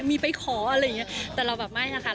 มีไปขออะไรอย่างเงี้ยแต่เราแบบไม่นะคะ